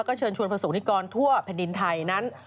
ก็เชิญชวนผสมนิกรทั่วแผ่นดินไทย